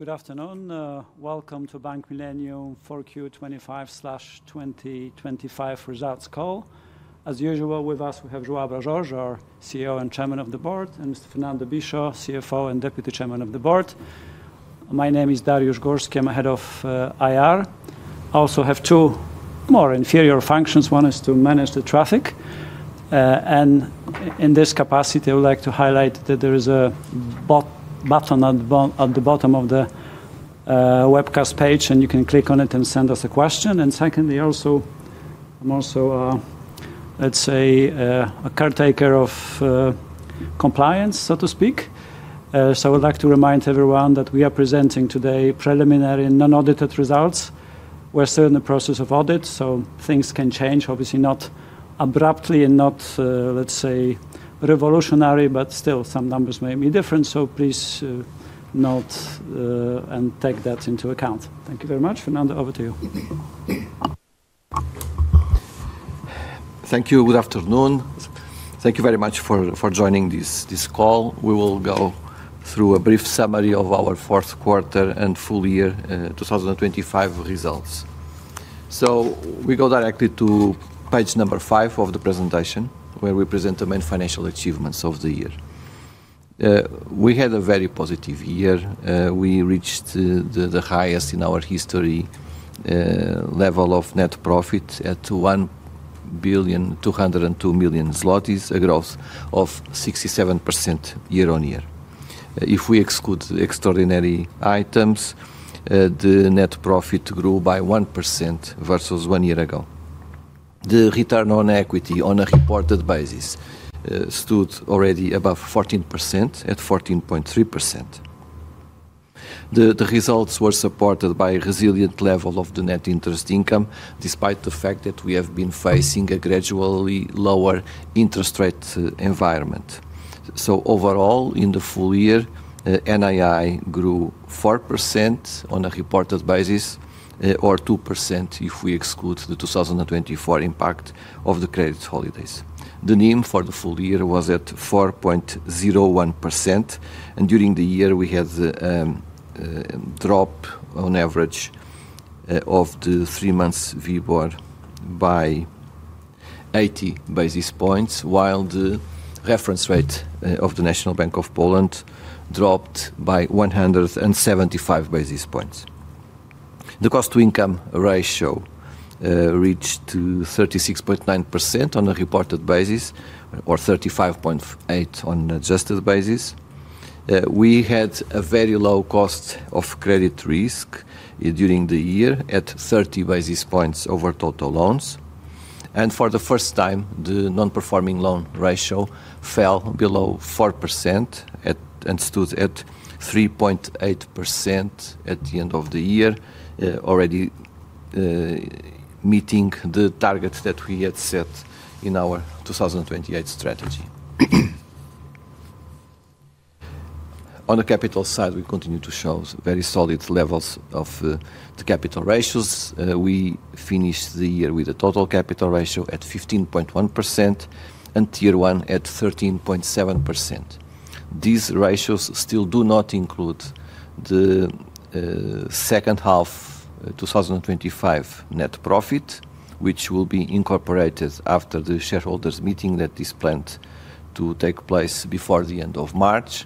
Good afternoon. Welcome to Bank Millennium 4Q25/2025 results call. As usual, with us we have João Brás Jorge, our CEO and Chairman of the Board, and Mr. Fernando Bicho, CFO and Deputy Chairman of the Board. My name is Dariusz Górski. I'm the Head of IR. I also have two more inferior functions. One is to manage the traffic. In this capacity, I would like to highlight that there is a button at the bottom of the webcast page, and you can click on it and send us a question. Secondly, I'm also, let's say, a caretaker of compliance, so to speak. I would like to remind everyone that we are presenting today preliminary non-audited results. We're still in the process of audit, so things can change. Obviously, not abruptly and not, let's say, revolutionary, but still, some numbers may be different. Please note and take that into account. Thank you very much. Fernando, over to you. Thank you. Good afternoon. Thank you very much for joining this call. We will go through a brief summary of our fourth quarter and full year 2025 results. We go directly to page number 5 of the presentation, where we present the main financial achievements of the year. We had a very positive year. We reached the highest in our history level of net profit at 1,202,000,000 zlotys, a growth of 67% year-over-year. If we exclude extraordinary items, the net profit grew by 1% versus one year ago. The return on equity on a reported basis stood already above 14% at 14.3%. The results were supported by a resilient level of the net interest income, despite the fact that we have been facing a gradually lower interest rate environment. Overall, in the full year, NII grew 4% on a reported basis, or 2% if we exclude the 2024 impact of the credit holidays. The NIM for the full year was at 4.01%, and during the year we had a drop on average of the three-month WIBOR by 80 basis points, while the reference rate of the National Bank of Poland dropped by 175 basis points. The cost-to-income ratio reached 36.9% on a reported basis, or 35.8% on an adjusted basis. We had a very low cost of credit risk during the year at 30 basis points over total loans. For the first time, the non-performing loan ratio fell below 4% and stood at 3.8% at the end of the year, already meeting the target that we had set in our 2028 strategy. On the capital side, we continue to show very solid levels of the capital ratios. We finished the year with a total capital ratio at 15.1% and Tier 1 at 13.7%. These ratios still do not include the second half 2025 net profit, which will be incorporated after the shareholders' meeting that is planned to take place before the end of March,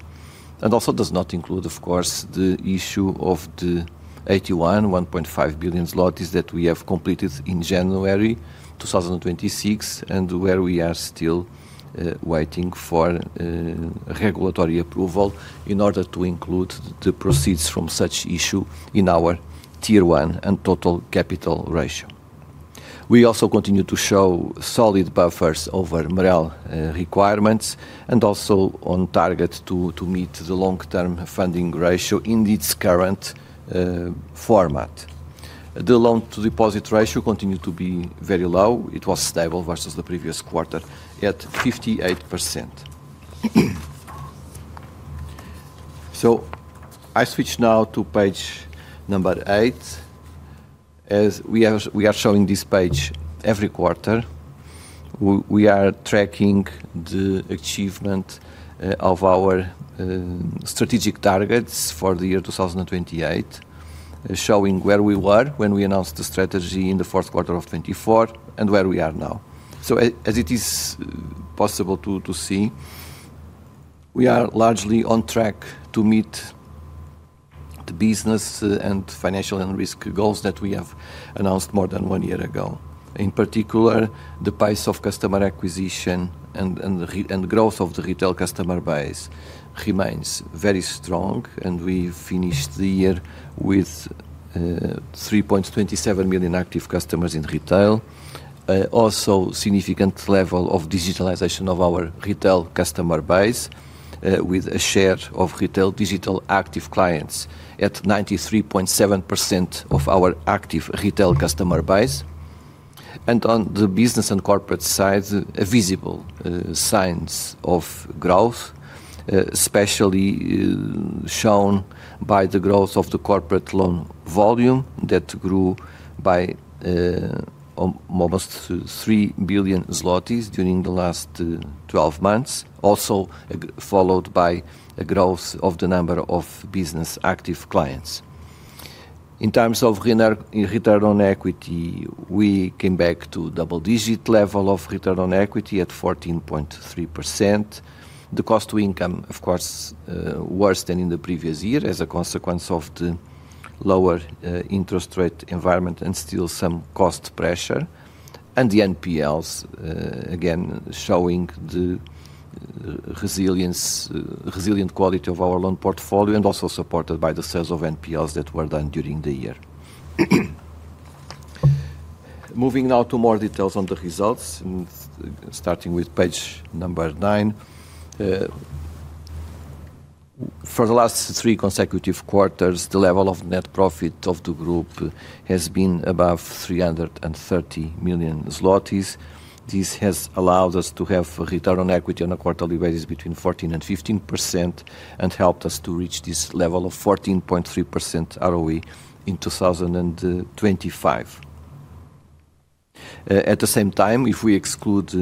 and also does not include, of course, the issue of the AT1, 1.5 billion zlotys that we have completed in January 2026 and where we are still waiting for regulatory approval in order to include the proceeds from such issue in our Tier 1 and total capital ratio. We also continue to show solid buffers over MREL requirements and also on target to meet the long-term funding ratio in its current format. The loan-to-deposit ratio continued to be very low. It was stable versus the previous quarter at 58%. So I switch now to page number 8. As we are showing this page every quarter, we are tracking the achievement of our strategic targets for the year 2028, showing where we were when we announced the strategy in the fourth quarter of 2024 and where we are now. As it is possible to see, we are largely on track to meet the business and financial and risk goals that we have announced more than one year ago. In particular, the price of customer acquisition and growth of the retail customer base remains very strong, and we finished the year with 3.27 million active customers in retail, also a significant level of digitalization of our retail customer base with a share of retail digital active clients at 93.7% of our active retail customer base. On the business and corporate side, visible signs of growth, especially shown by the growth of the corporate loan volume that grew by almost 3 billion zlotys during the last 12 months, also followed by a growth of the number of business active clients. In terms of return on equity, we came back to double-digit level of return on equity at 14.3%. The cost-to-income, of course, worse than in the previous year as a consequence of the lower interest rate environment and still some cost pressure. The NPLs, again, showing the resilient quality of our loan portfolio and also supported by the sales of NPLs that were done during the year. Moving now to more details on the results, starting with page number 9. For the last three consecutive quarters, the level of net profit of the group has been above 330 million zlotys. This has allowed us to have return on equity on a quarterly basis between 14%-15% and helped us to reach this level of 14.3% ROE in 2025. At the same time, if we exclude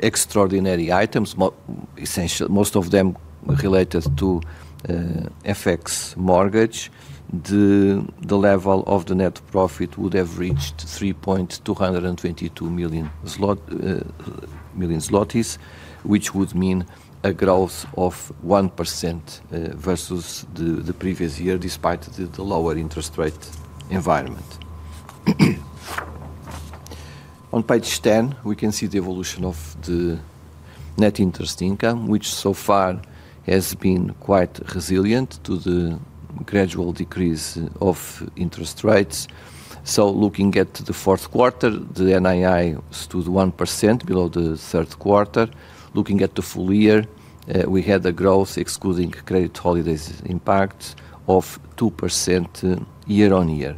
extraordinary items, most of them related to FX mortgage, the level of the net profit would have reached 3,222 million zloty, which would mean a growth of 1% versus the previous year despite the lower interest rate environment. On page 10, we can see the evolution of the net interest income, which so far has been quite resilient to the gradual decrease of interest rates. So looking at the fourth quarter, the NII stood 1% below the third quarter. Looking at the full year, we had a growth excluding credit holidays impact of 2% year-on-year.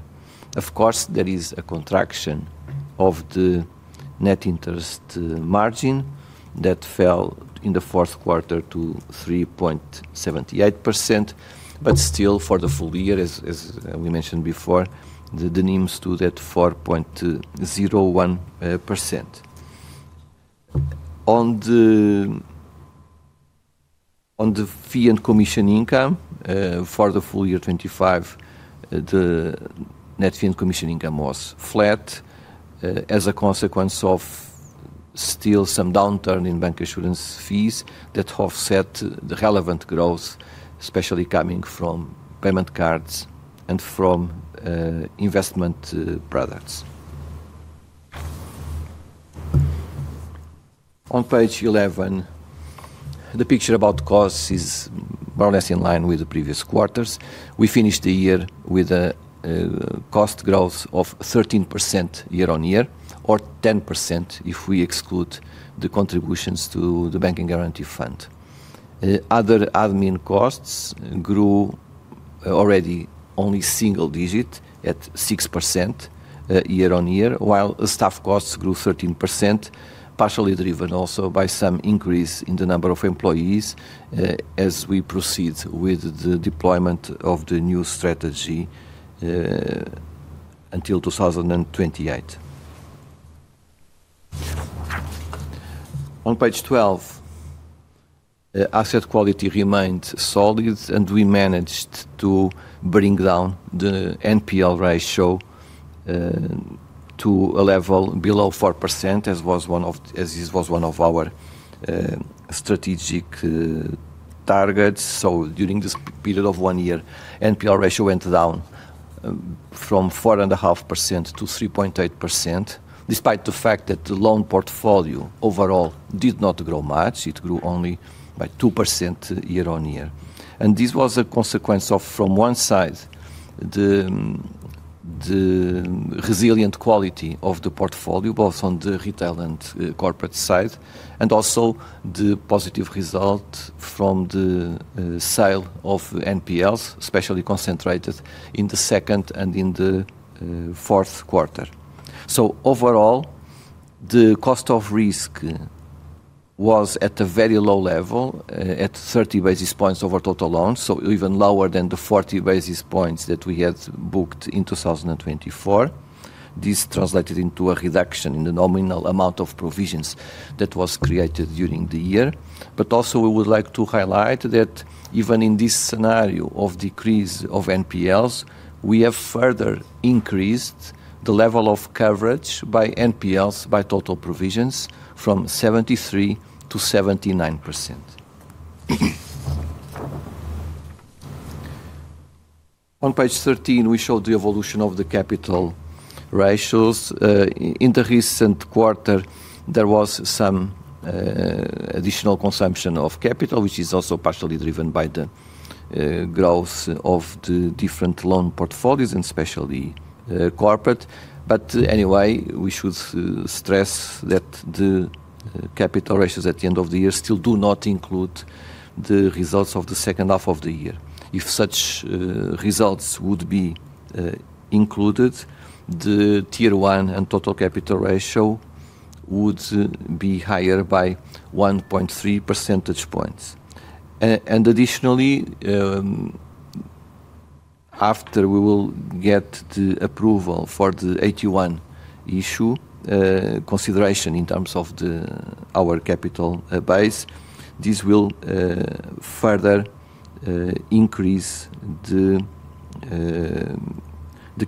Of course, there is a contraction of the net interest margin that fell in the fourth quarter to 3.78%, but still for the full year, as we mentioned before, the NIM stood at 4.01%. On the fee and commission income, for the full year 2025, the net fee and commission income was flat as a consequence of still some downturn in bank assurance fees that offset the relevant growth, especially coming from payment cards and from investment products. On page 11, the picture about costs is more or less in line with the previous quarters. We finished the year with a cost growth of 13% year-on-year, or 10% if we exclude the contributions to the Bank Guarantee Fund. Other admin costs grew already only single digit at 6% year-on-year, while staff costs grew 13%, partially driven also by some increase in the number of employees as we proceed with the deployment of the new strategy until 2028. On page 12, asset quality remained solid, and we managed to bring down the NPL ratio to a level below 4% as this was one of our strategic targets. So during this period of one year, the NPL ratio went down from 4.5%-3.8%, despite the fact that the loan portfolio overall did not grow much. It grew only by 2% year-on-year. And this was a consequence of, from one side, the resilient quality of the portfolio, both on the retail and corporate side, and also the positive result from the sale of NPLs, especially concentrated in the second and in the fourth quarter. Overall, the cost of risk was at a very low level, at 30 basis points over total loans, so even lower than the 40 basis points that we had booked in 2024. This translated into a reduction in the nominal amount of provisions that was created during the year. But also we would like to highlight that even in this scenario of decrease of NPLs, we have further increased the level of coverage by NPLs, by total provisions, from 73%-79%. On page 13, we showed the evolution of the capital ratios. In the recent quarter, there was some additional consumption of capital, which is also partially driven by the growth of the different loan portfolios, and especially corporate. Anyway, we should stress that the capital ratios at the end of the year still do not include the results of the second half of the year. If such results would be included, the Tier 1 and total capital ratio would be higher by 1.3 percentage points. Additionally, after we will get the approval for the AT1 issue, consideration in terms of our capital base, this will further increase the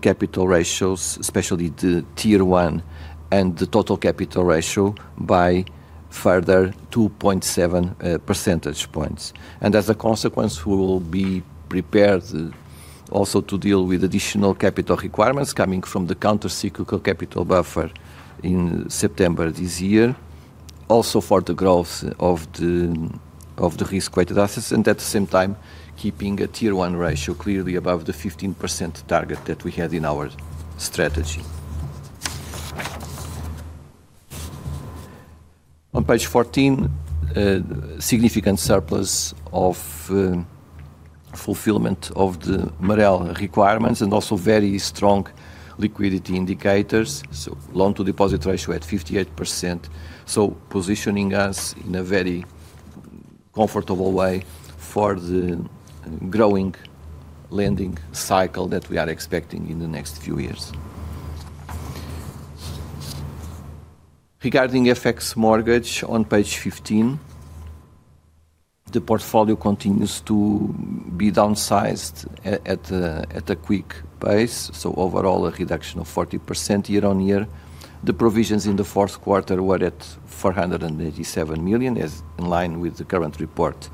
capital ratios, especially the Tier 1 and the total capital ratio, by further 2.7 percentage points. As a consequence, we will be prepared also to deal with additional capital requirements coming from the countercyclical capital buffer in September this year, also for the growth of the risk-weighted assets, and at the same time keeping a Tier 1 ratio clearly above the 15% target that we had in our strategy. On page 14, a significant surplus of fulfillment of the MREL requirements and also very strong liquidity indicators, so loan-to-deposit ratio at 58%, so positioning us in a very comfortable way for the growing lending cycle that we are expecting in the next few years. Regarding FX mortgage, on page 15, the portfolio continues to be downsized at a quick pace, so overall a reduction of 40% year-on-year. The provisions in the fourth quarter were at 487 million, as in line with the current report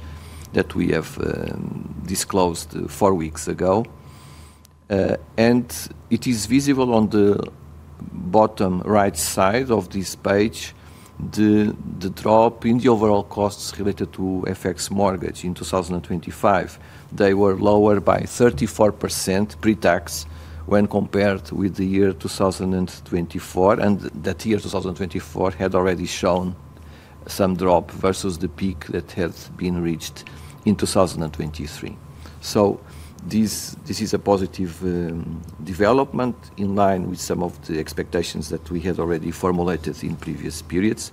that we have disclosed four weeks ago. And it is visible on the bottom right side of this page the drop in the overall costs related to FX mortgage in 2025. They were lower by 34% pre-tax when compared with the year 2024, and that year 2024 had already shown some drop versus the peak that had been reached in 2023. So this is a positive development in line with some of the expectations that we had already formulated in previous periods.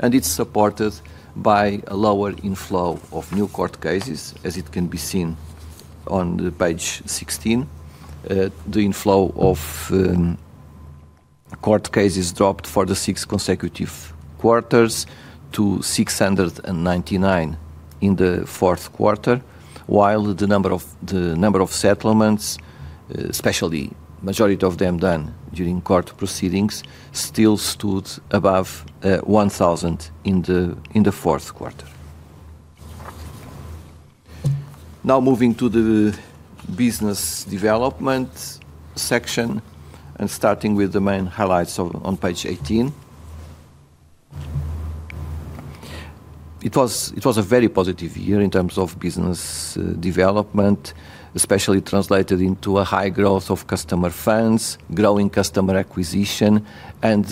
It's supported by a lower inflow of new court cases, as it can be seen on page 16. The inflow of court cases dropped for the six consecutive quarters to 699 in the fourth quarter, while the number of settlements, especially the majority of them done during court proceedings, still stood above 1,000 in the fourth quarter. Now moving to the business development section and starting with the main highlights on page 18. It was a very positive year in terms of business development, especially translated into a high growth of customer funds, growing customer acquisition, and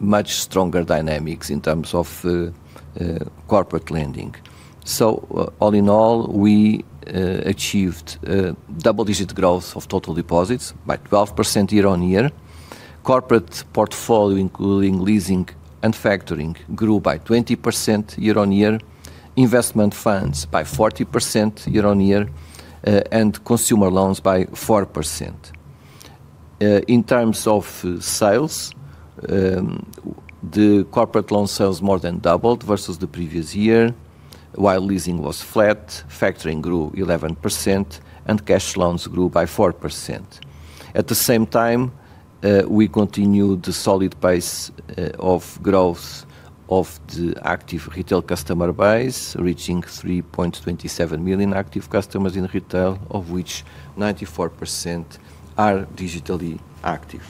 much stronger dynamics in terms of corporate lending. So all in all, we achieved double-digit growth of total deposits by 12% year-over-year. Corporate portfolio, including leasing and factoring, grew by 20% year-on-year, investment funds by 40% year-on-year, and consumer loans by 4%. In terms of sales, the corporate loan sales more than doubled versus the previous year, while leasing was flat, factoring grew 11%, and cash loans grew by 4%. At the same time, we continued the solid pace of growth of the active retail customer base, reaching 3.27 million active customers in retail, of which 94% are digitally active.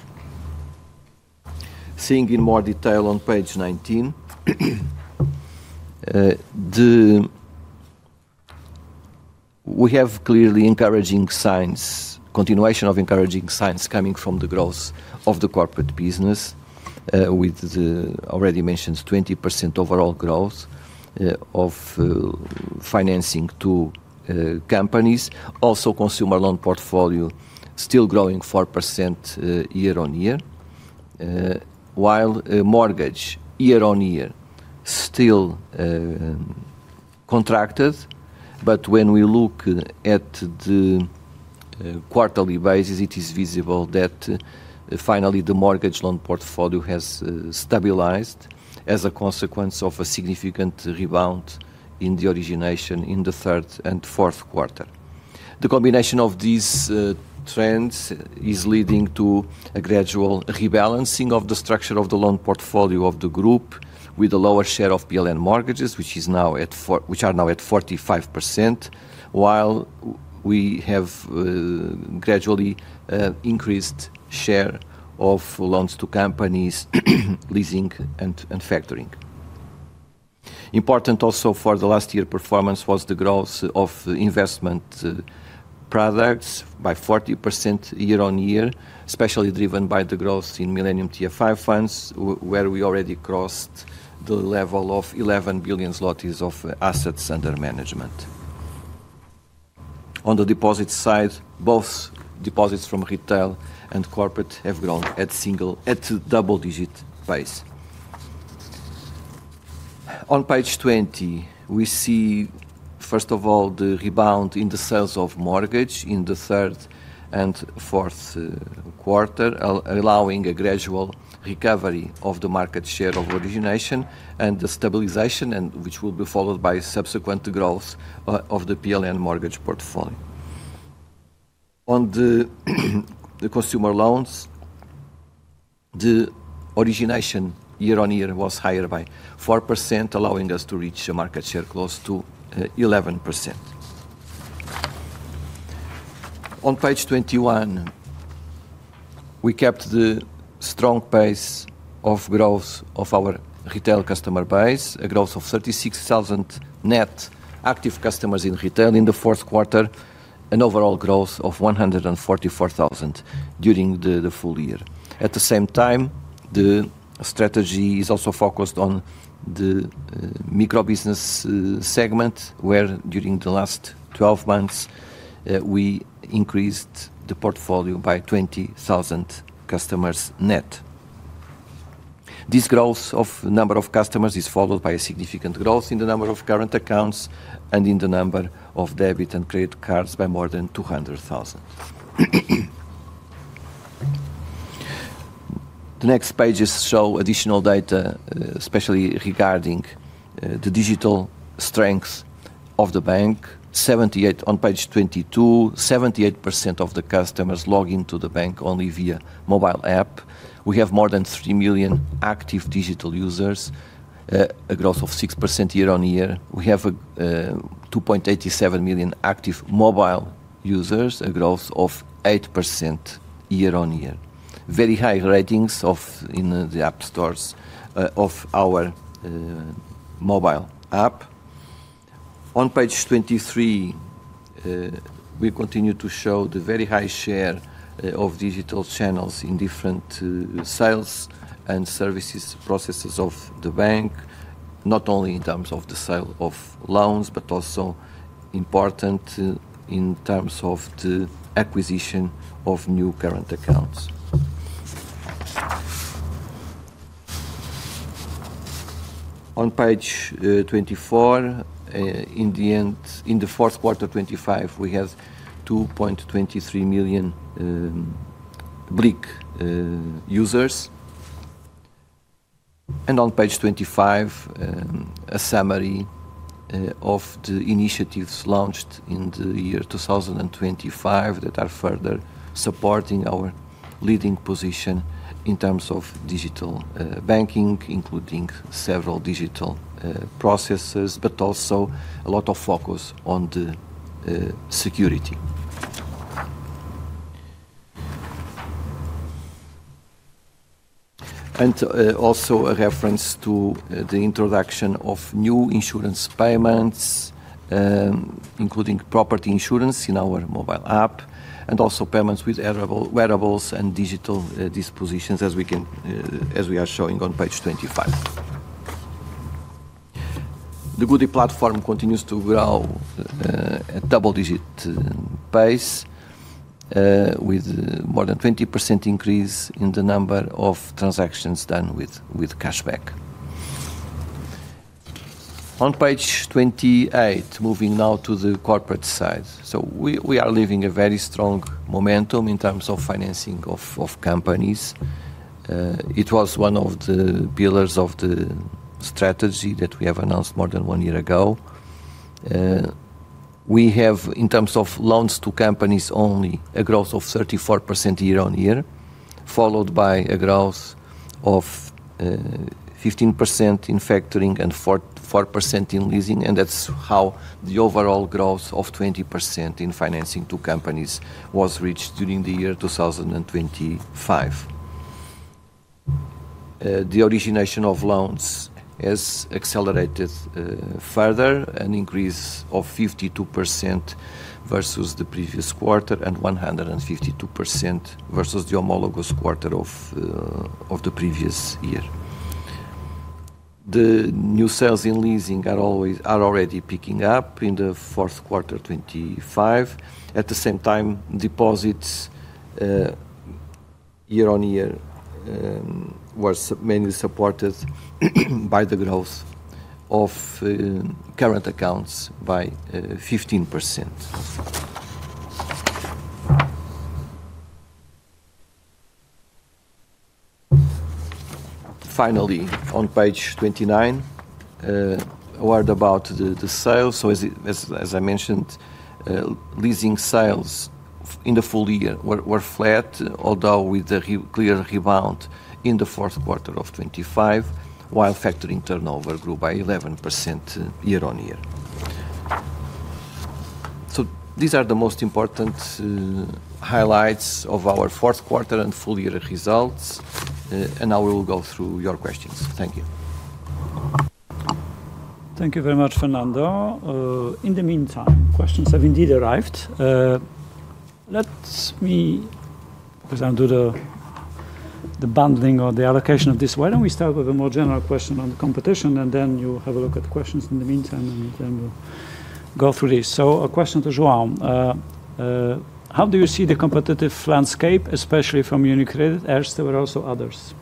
Seeing in more detail on page 19, we have clearly continuation of encouraging signs coming from the growth of the corporate business, with the already mentioned 20% overall growth of financing to companies, also consumer loan portfolio still growing 4% year-on-year, while mortgage year-on-year still contracted. But when we look at the quarterly basis, it is visible that finally the mortgage loan portfolio has stabilized as a consequence of a significant rebound in the origination in the third and fourth quarter. The combination of these trends is leading to a gradual rebalancing of the structure of the loan portfolio of the group with a lower share of PLN mortgages, which are now at 45%, while we have gradually increased share of loans to companies, leasing, and factoring. Important also for the last year's performance was the growth of investment products by 40% year-over-year, especially driven by the growth in Millennium TFI funds, where we already crossed the level of 11 billion zlotys of assets under management. On the deposit side, both deposits from retail and corporate have grown at a double-digit pace. On page 20, we see, first of all, the rebound in the sales of mortgages in the third and fourth quarter, allowing a gradual recovery of the market share of origination and the stabilization, which will be followed by subsequent growth of the PLN mortgage portfolio. On the consumer loans, the origination year-on-year was higher by 4%, allowing us to reach a market share close to 11%. On page 21, we kept the strong pace of growth of our retail customer base, a growth of 36,000 net active customers in retail in the fourth quarter, an overall growth of 144,000 during the full year. At the same time, the strategy is also focused on the microbusiness segment, where during the last 12 months we increased the portfolio by 20,000 customers net. This growth of the number of customers is followed by a significant growth in the number of current accounts and in the number of debit and credit cards by more than 200,000. The next pages show additional data, especially regarding the digital strength of the bank. On page 22, 78% of the customers log into the bank only via mobile app. We have more than 3 million active digital users, a growth of 6% year-on-year. We have 2.87 million active mobile users, a growth of 8% year-on-year. Very high ratings in the app stores of our mobile app. On page 23, we continue to show the very high share of digital channels in different sales and services processes of the bank, not only in terms of the sale of loans, but also important in terms of the acquisition of new current accounts. On page 24, in the fourth quarter 2025, we have 2.23 million BLIK users. On page 25, a summary of the initiatives launched in the year 2025 that are further supporting our leading position in terms of digital banking, including several digital processes, but also a lot of focus on the security. Also a reference to the introduction of new insurance payments, including property insurance in our mobile app, and also payments with wearables and digital dispositions, as we are showing on page 25. The Goodie platform continues to grow at double-digit pace, with more than 20% increase in the number of transactions done with cashback. On page 28, moving now to the corporate side. We are living a very strong momentum in terms of financing of companies. It was one of the pillars of the strategy that we have announced more than one year ago. We have, in terms of loans to companies only, a growth of 34% year-on-year, followed by a growth of 15% in factoring and 4% in leasing, and that's how the overall growth of 20% in financing to companies was reached during the year 2025. The origination of loans has accelerated further, an increase of 52% versus the previous quarter and 152% versus the homologous quarter of the previous year. The new sales in leasing are already picking up in the fourth quarter 2025. At the same time, deposits year-on-year were mainly supported by the growth of current accounts by 15%. Finally, on page 29, a word about the sales. As I mentioned, leasing sales in the full year were flat, although with a clear rebound in the fourth quarter of 2025, while factoring turnover grew by 11% year-on-year. So these are the most important highlights of our fourth quarter and full-year results, and now we will go through your questions. Thank you. Thank you very much, Fernando. In the meantime, questions have indeed arrived. Let me focus on do the bundling or the allocation of this. Why don't we start with a more general question on the competition, and then you have a look at questions in the meantime, and then we'll go through these. So a question to Joao. How do you see the competitive landscape, especially from UniCredit? Erste, there were also others.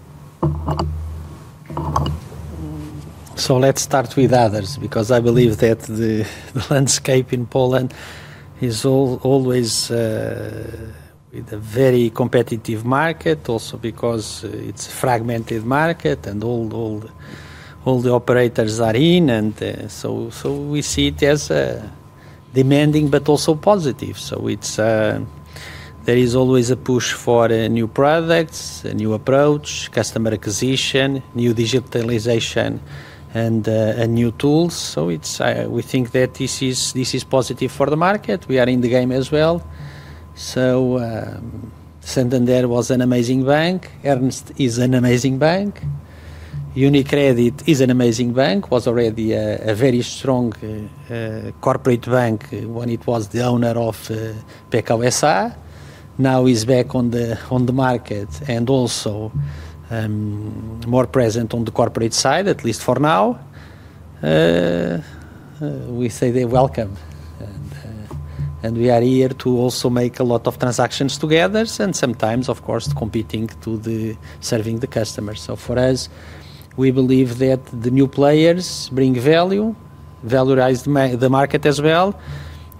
So let's start with others because I believe that the landscape in Poland is always with a very competitive market, also because it's a fragmented market and all the operators are in. And so we see it as demanding but also positive. So there is always a push for new products, a new approach, customer acquisition, new digitalization, and new tools. So we think that this is positive for the market. We are in the game. So Santander was an amazing bank. Erste is an amazing bank. UniCredit is an amazing bank. Was already a very strong corporate bank when it was the owner of Pekao SA. Now is back on the market and also more present on the corporate side, at least for now. We say they're welcome, and we are here to also make a lot of transactions together and sometimes, of course, competing to serving the customers. So for us, we believe that the new players bring value, valorize the market as well,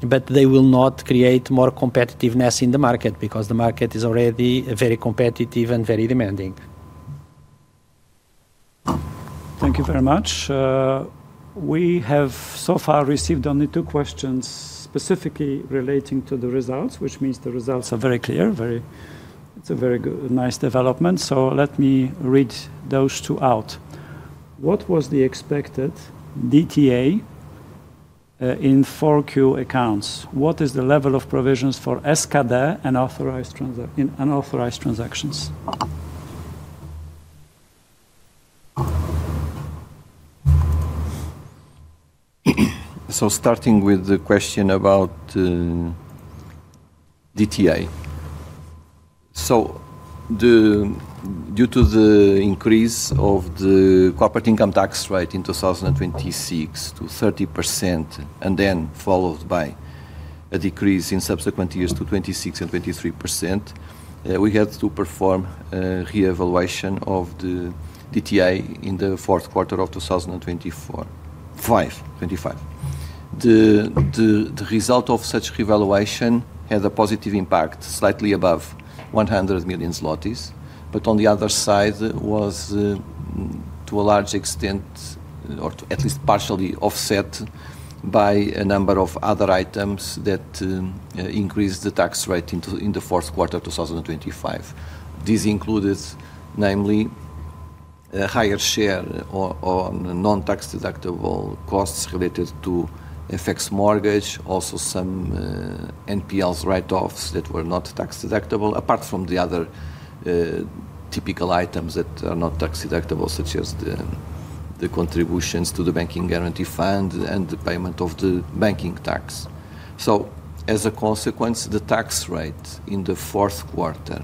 but they will not create more competitiveness in the market because the market is already very competitive and very demanding. Thank you very much. We have so far received only 2 questions specifically relating to the results, which means the results are very clear. It's a very nice development. So let me read those 2 out. What was the expected DTA in 4Q accounts? What is the level of provisions for SKD and unauthorized transactions? So starting with the question about DTA. So due to the increase of the corporate income tax rate in 2026 to 30% and then followed by a decrease in subsequent years to 26% and 23%, we had to perform a reevaluation of the DTA in the fourth quarter of 2025. The result of such reevaluation had a positive impact, slightly above 100 million zlotys, but on the other side was, to a large extent, or at least partially offset by a number of other items that increased the tax rate in the fourth quarter of 2025. This included, namely, a higher share on non-tax deductible costs related to FX mortgage, also some NPLs write-offs that were not tax deductible, apart from the other typical items that are not tax deductible, such as the contributions to the Banking Guarantee Fund and the payment of the banking tax. So as a consequence, the tax rate in the fourth quarter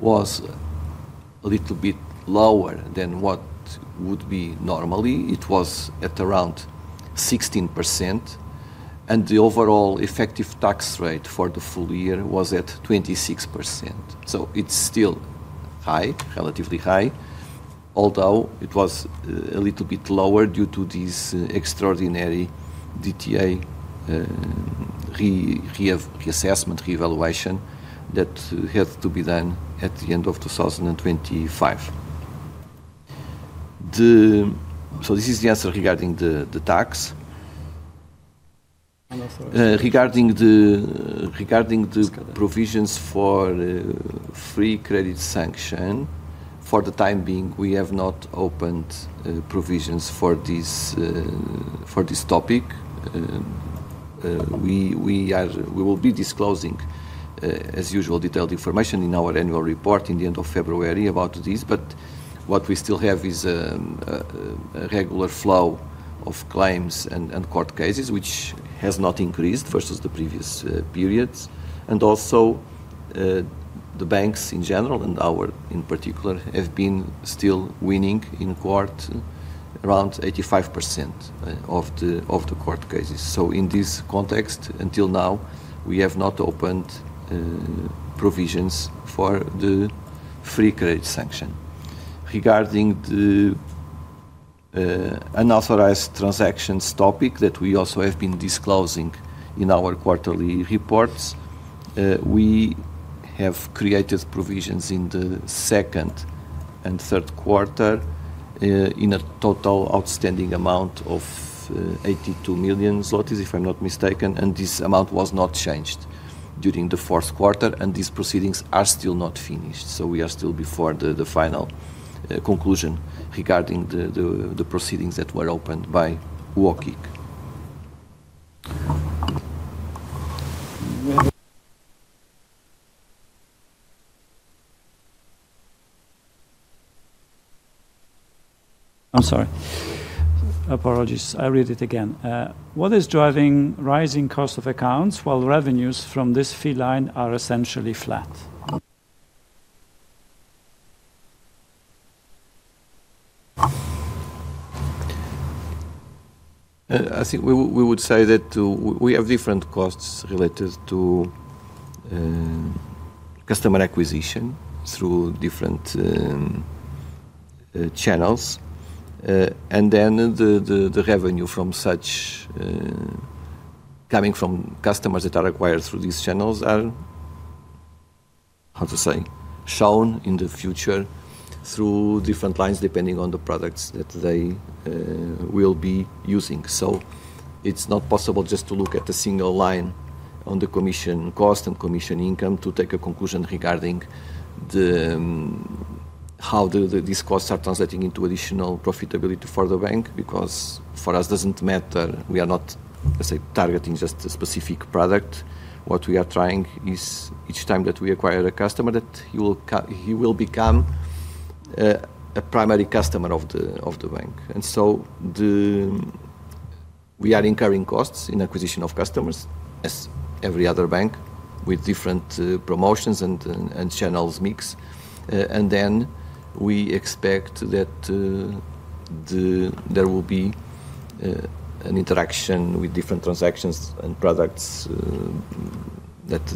was a little bit lower than what would be normally. It was at around 16%, and the overall effective tax rate for the full year was at 26%. So it's still high, relatively high, although it was a little bit lower due to this extraordinary DTA reassessment, reevaluation that had to be done at the end of 2025. So this is the answer regarding the tax. Regarding the provisions for free credit sanction, for the time being, we have not opened provisions for this topic. We will be disclosing, as usual, detailed information in our annual report in the end of February about this, but what we still have is a regular flow of claims and court cases, which has not increased versus the previous periods. Also, the banks in general and ours in particular have been still winning in court around 85% of the court cases. So in this context, until now, we have not opened provisions for the free credit sanction. Regarding the unauthorized transactions topic that we also have been disclosing in our quarterly reports, we have created provisions in the second and third quarter in a total outstanding amount of 82 million zlotys, if I'm not mistaken, and this amount was not changed during the fourth quarter, and these proceedings are still not finished. So we are still before the final conclusion regarding the proceedings that were opened by UOKiK. I'm sorry. Apologies. I read it again. What is driving rising cost of accounts while revenues from this fee line are essentially flat? I think we would say that we have different costs related to customer acquisition through different channels, and then the revenue coming from customers that are acquired through these channels are, how to say, shown in the future through different lines depending on the products that they will be using. So it's not possible just to look at a single line on the commission cost and commission income to take a conclusion regarding how these costs are translating into additional profitability for the bank because for us it doesn't matter. We are not, let's say, targeting just a specific product. What we are trying is each time that we acquire a customer that he will become a primary customer of the bank. And so we are incurring costs in acquisition of customers as every other bank with different promotions and channels mix. And then we expect that there will be an interaction with different transactions and products that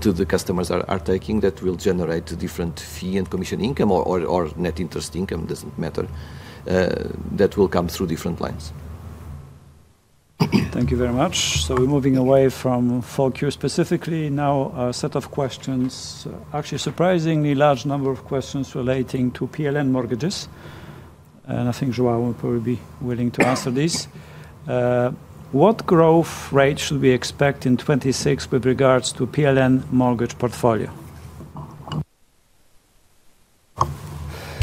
the customers are taking that will generate different fee and commission income or net interest income, doesn't matter, that will come through different lines. Thank you very much. So we're moving away from 4Q specifically. Now, a set of questions. Actually, surprisingly large number of questions relating to PLN mortgages. And I think Joao will probably be willing to answer these. What growth rate should we expect in 2026 with regards to PLN mortgage portfolio?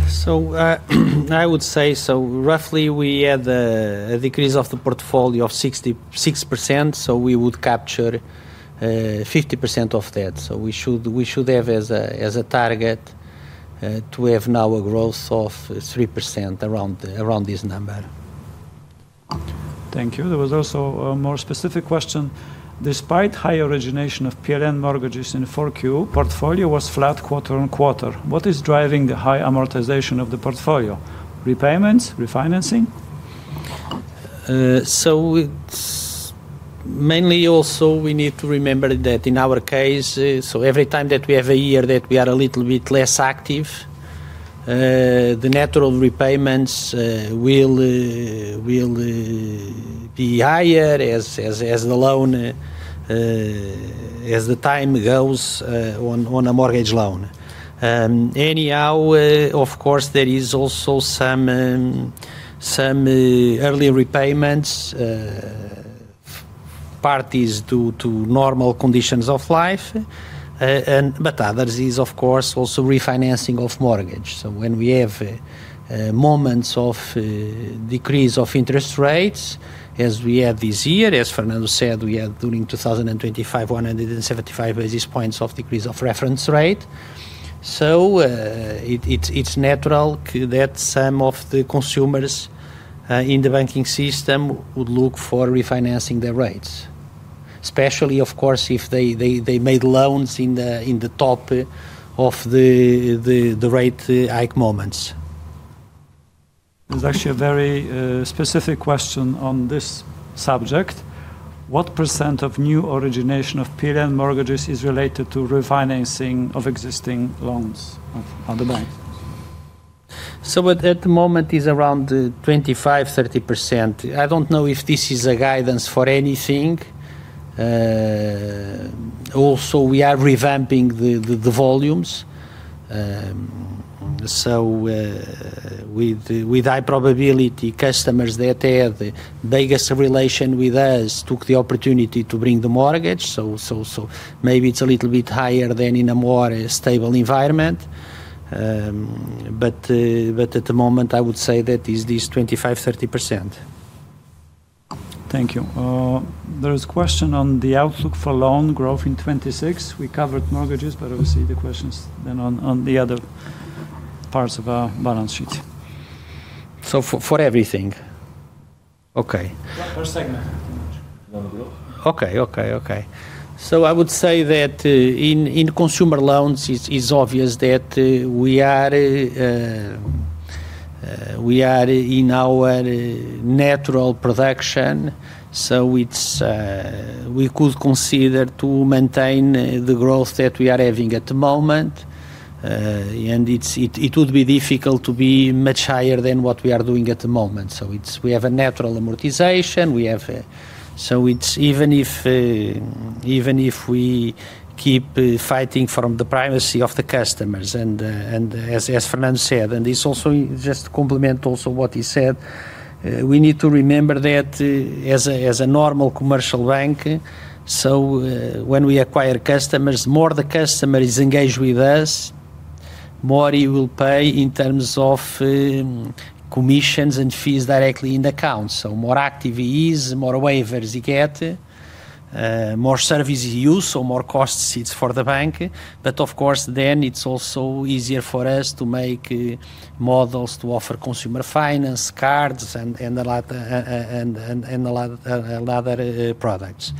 So I would say, so roughly we had a decrease of the portfolio of 6%, so we would capture 50% of that. So we should have as a target to have now a growth of 3% around this number. Thank you. There was also a more specific question. Despite high origination of PLN mortgages in 4Q, portfolio was flat quarter-over-quarter. What is driving the high amortization of the portfolio? Repayments? Refinancing? So mainly also we need to remember that in our case, so every time that we have a year that we are a little bit less active, the natural repayments will be higher as the loan, as the time goes on a mortgage loan. Anyhow, of course, there is also some early repayments parties due to normal conditions of life, but others is, of course, also refinancing of mortgage. So when we have moments of decrease of interest rates, as we had this year, as Fernando said, we had during 2025 175 basis points of decrease of reference rate. So it's natural that some of the consumers in the banking system would look for refinancing their rates, especially, of course, if they made loans in the top of the rate hike moments. There's actually a very specific question on this subject. What percent of new origination of PLN mortgages is related to refinancing of existing loans at the bank? So at the moment it's around 25%-30%. I don't know if this is a guidance for anything. Also, we are revamping the volumes. So with high probability, customers that had the biggest relation with us took the opportunity to bring the mortgage. So maybe it's a little bit higher than in a more stable environment. But at the moment, I would say that it's this 25%-30%. Thank you. There is a question on the outlook for loan growth in 2026. We covered mortgages, but obviously the questions then on the other parts of our balance sheet. So for everything? Okay. Per segment. Pretty much. Loan growth? Okay, okay, okay. I would say that in consumer loans, it's obvious that we are in our natural production. We could consider to maintain the growth that we are having at the moment, and it would be difficult to be much higher than what we are doing at the moment. We have a natural amortization. Even if we keep fighting from the privacy of the customers, and as Fernando said, and this also just to complement also what he said, we need to remember that as a normal commercial bank, when we acquire customers, the more the customer is engaged with us, the more he will pay in terms of commissions and fees directly in the account. So more active he is, the more waivers he get, more service he uses, so more cost sits for the bank. But of course, then it's also easier for us to make models to offer consumer finance, cards, and a lot of other products.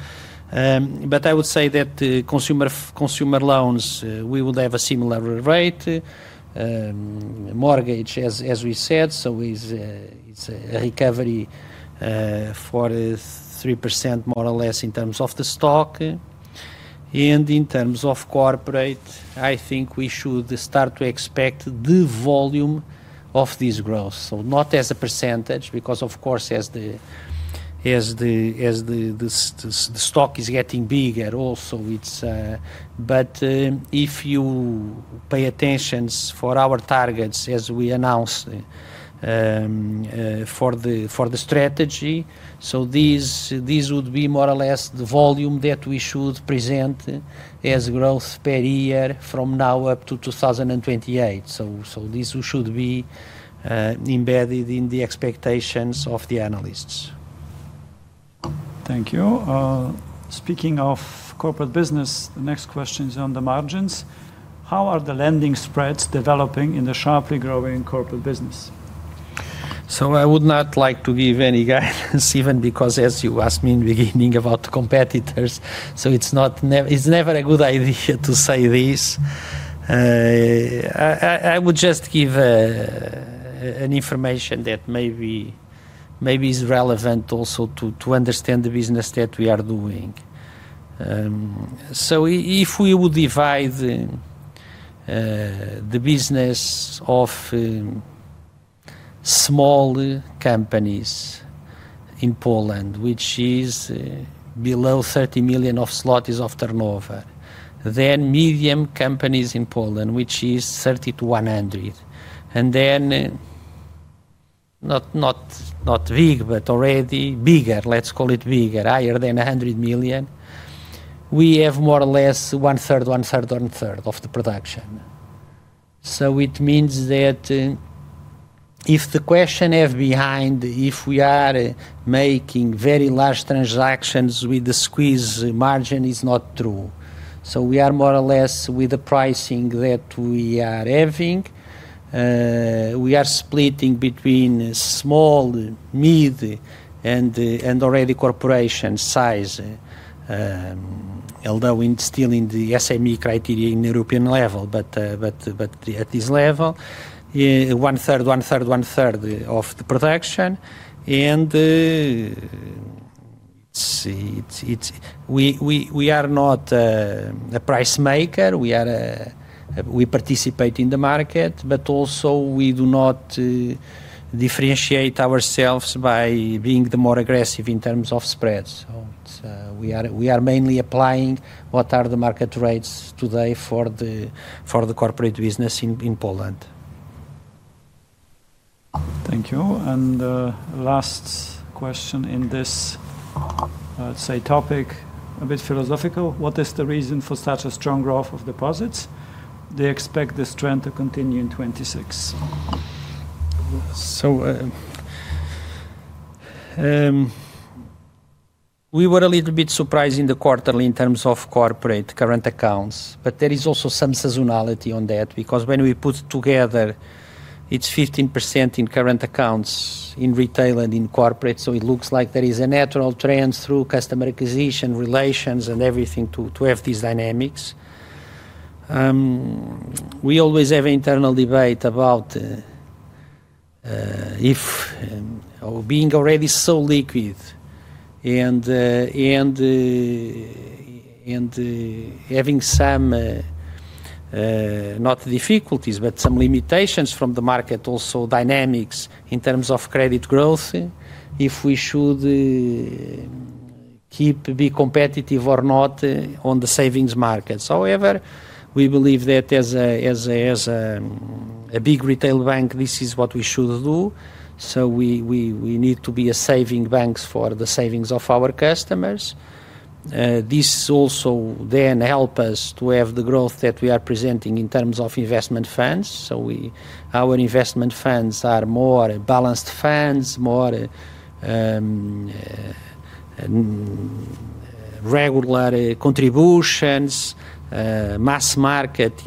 But I would say that consumer loans, we would have a similar rate. Mortgages, as we said, so it's a recovery for 3% more or less in terms of the stock. And in terms of corporate, I think we should start to expect the volume of this growth, so not as a percentage because, of course, as the stock is getting bigger, also it's but if you pay attention for our targets as we announced for the strategy, so this would be more or less the volume that we should present as growth per year from now up to 2028. So this should be embedded in the expectations of the analysts. Thank you. Speaking of corporate business, the next question is on the margins. How are the lending spreads developing in the sharply growing corporate business? So I would not like to give any guidance even because, as you asked me in the beginning about competitors, so it's never a good idea to say this. I would just give an information that maybe is relevant also to understand the business that we are doing. So if we would divide the business of small companies in Poland, which is below 30 million of turnover, then medium companies in Poland, which is 30 million-100 million, and then not big, but already bigger, let's call it bigger, higher than 100 million, we have more or less one-third, one-third, one-third of the production. So it means that if the question left behind, if we are making very large transactions with the squeeze margin, it's not true. So we are more or less with the pricing that we are having. We are splitting between small, mid, and already corporation size, although still in the SME criteria in European level, but at this level, one-third, one-third, one-third of the production. And we are not a price maker. We participate in the market, but also we do not differentiate ourselves by being the more aggressive in terms of spreads. So we are mainly applying what are the market rates today for the corporate business in Poland. Thank you. And last question in this, let's say, topic, a bit philosophical. What is the reason for such a strong growth of deposits? They expect this trend to continue in 2026. So we were a little bit surprised in the quarterly in terms of corporate current accounts, but there is also some seasonality on that because when we put together, it's 15% in current accounts in retail and in corporate. So it looks like there is a natural trend through customer acquisition, relations, and everything to have these dynamics. We always have an internal debate about being already so liquid and having some not difficulties, but some limitations from the market, also dynamics in terms of credit growth, if we should keep being competitive or not on the savings markets. However, we believe that as a big retail bank, this is what we should do. So we need to be a savings bank for the savings of our customers. This also then helps us to have the growth that we are presenting in terms of investment funds. So our investment funds are more balanced funds, more regular contributions, mass market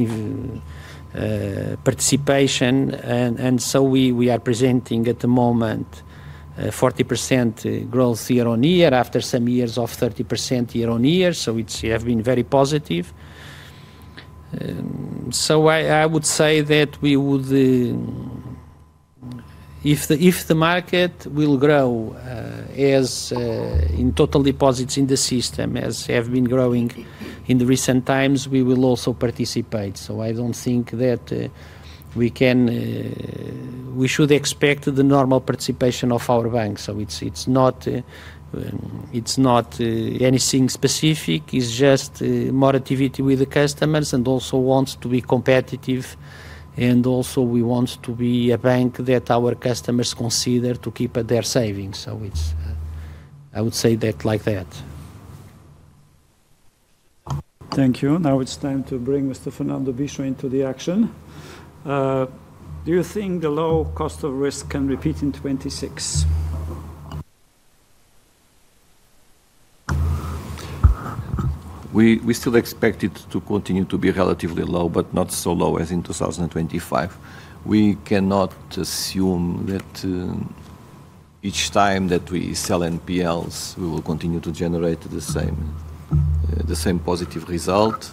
participation. And so we are presenting at the moment 40% growth year-on-year after some years of 30% year-on-year. So it's been very positive. So I would say that if the market will grow in total deposits in the system as have been growing in the recent times, we will also participate. So I don't think that we should expect the normal participation of our bank. So it's not anything specific. It's just more activity with the customers and also wants to be competitive. And also we want to be a bank that our customers consider to keep at their savings. So I would say that like that. Thank you. Now it's time to bring Mr. Fernando Bicho into the action. Do you think the low cost of risk can repeat in 2026? We still expect it to continue to be relatively low, but not so low as in 2025. We cannot assume that each time that we sell NPLs, we will continue to generate the same positive result.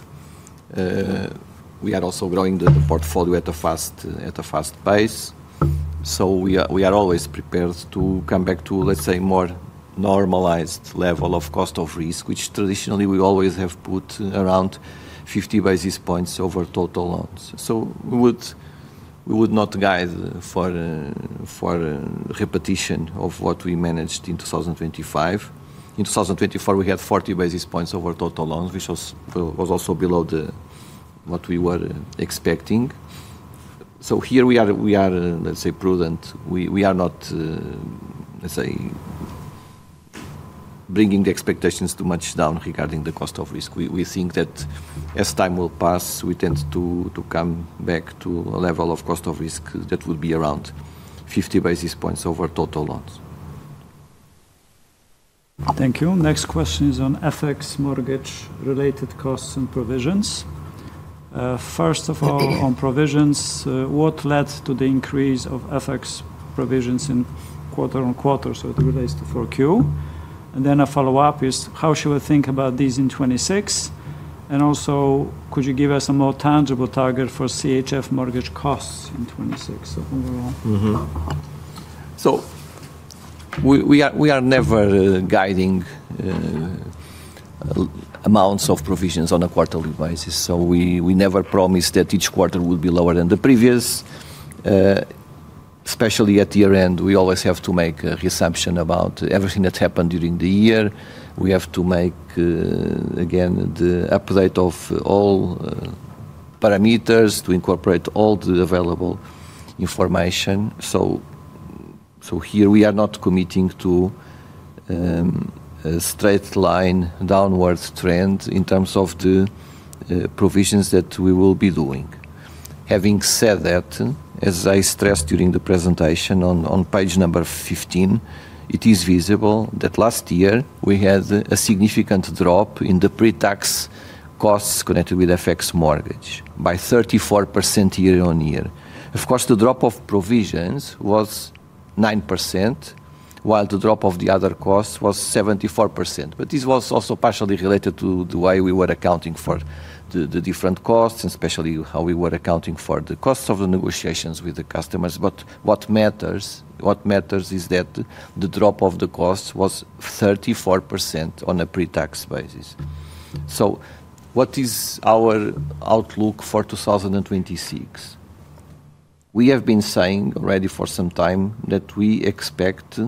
We are also growing the portfolio at a fast pace. So we are always prepared to come back to, let's say, more normalized level of cost of risk, which traditionally we always have put around 50 basis points over total loans. So we would not guide for repetition of what we managed in 2025. In 2024, we had 40 basis points over total loans, which was also below what we were expecting. So here we are, let's say, prudent. We are not, let's say, bringing the expectations too much down regarding the cost of risk. We think that as time will pass, we tend to come back to a level of cost of risk that would be around 50 basis points over total loans. Thank you. Next question is on FX mortgage-related costs and provisions. First of all, on provisions, what led to the increase of FX provisions quarter-over-quarter? So it relates to 4Q. And then a follow-up is how should we think about these in 2026? And also, could you give us a more tangible target for CHF mortgage costs in 2026? So overall. So we are never guiding amounts of provisions on a quarterly basis. So we never promise that each quarter would be lower than the previous. Especially at year-end, we always have to make a reassessment about everything that happened during the year. We have to make, again, the update of all parameters to incorporate all the available information. So here we are not committing to a straight-line downward trend in terms of the provisions that we will be doing. Having said that, as I stressed during the presentation on page 15, it is visible that last year we had a significant drop in the pre-tax costs connected with FX Mortgage by 34% year-on-year. Of course, the drop of provisions was 9%, while the drop of the other costs was 74%. But this was also partially related to the way we were accounting for the different costs and especially how we were accounting for the costs of the negotiations with the customers. But what matters is that the drop of the costs was 34% on a pre-tax basis. So what is our outlook for 2026? We have been saying already for some time that we expect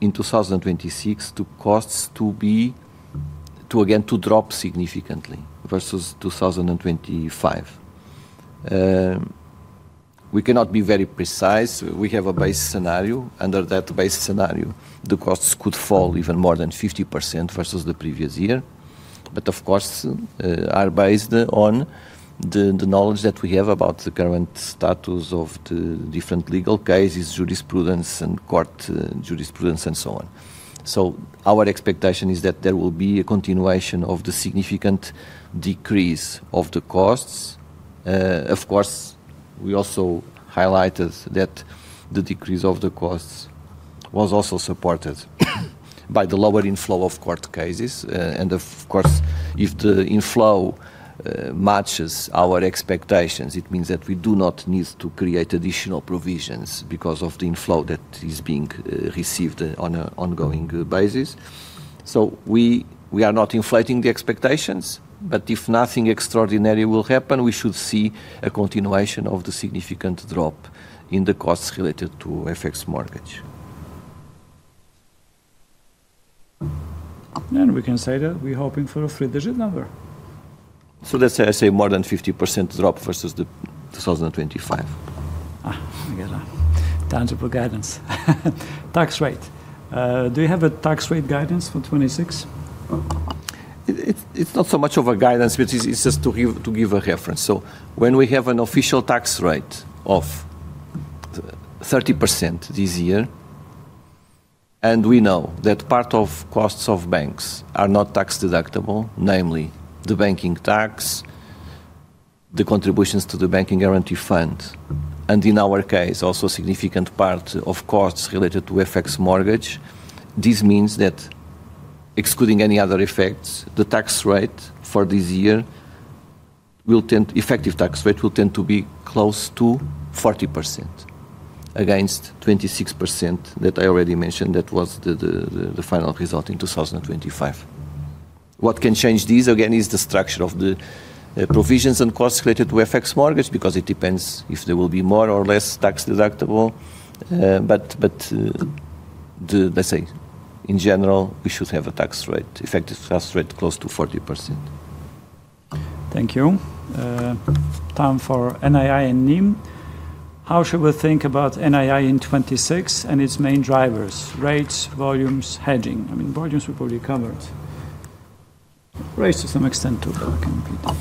in 2026 costs to, again, drop significantly versus 2025. We cannot be very precise. We have a base scenario. Under that base scenario, the costs could fall even more than 50% versus the previous year. But of course, are based on the knowledge that we have about the current status of the different legal cases, jurisprudence, and court jurisprudence, and so on. So our expectation is that there will be a continuation of the significant decrease of the costs. Of course, we also highlighted that the decrease of the costs was also supported by the lower inflow of court cases. Of course, if the inflow matches our expectations, it means that we do not need to create additional provisions because of the inflow that is being received on an ongoing basis. So we are not inflating the expectations, but if nothing extraordinary will happen, we should see a continuation of the significant drop in the costs related to FX Mortgage. And we can say that we're hoping for a three-digit number. So let's say more than 50% drop versus 2025. I get that. Tangible guidance. Tax rate. Do you have a tax rate guidance for 2026? It's not so much of a guidance, but it's just to give a reference. So when we have an official tax rate of 30% this year, and we know that part of costs of banks are not tax-deductible, namely the banking tax, the contributions to the Banking Guarantee Fund, and in our case, also a significant part of costs related to FX mortgage, this means that excluding any other effects, the effective tax rate will tend to be close to 40% against 26% that I already mentioned that was the final result in 2025. What can change this, again, is the structure of the provisions and costs related to FX mortgage because it depends if there will be more or less tax-deductible. But let's say, in general, we should have a tax rate, effective tax rate, close to 40%. Thank you. Time for NII and NIM. How should we think about NII in 2026 and its main drivers? Rates, volumes, hedging? I mean, volumes we probably covered. Rates to some extent too, but I can repeat.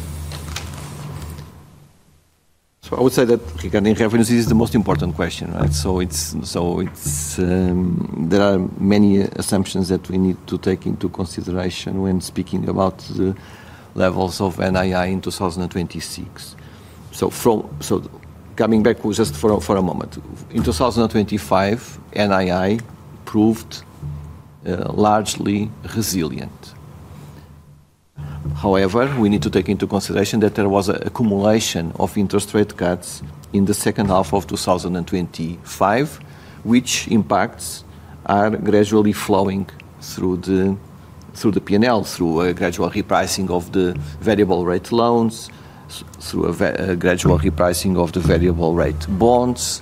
So I would say that regarding references, it's the most important question, right? So there are many assumptions that we need to take into consideration when speaking about the levels of NII in 2026. So coming back just for a moment, in 2025, NII proved largely resilient. However, we need to take into consideration that there was an accumulation of interest rate cuts in the second half of 2025, which impacts are gradually flowing through the PNL, through a gradual repricing of the variable-rate loans, through a gradual repricing of the variable-rate bonds,